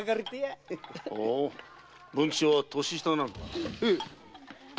ほう文吉は年下なのか。